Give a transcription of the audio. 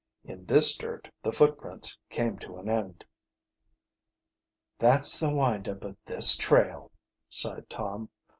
In this dirt the footprints came to an end. "That's the wind up of this trail," sighed Tom.